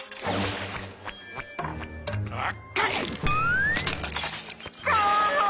ああ。